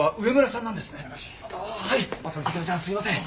すいません。